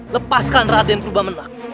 lepaskan raden berlabenack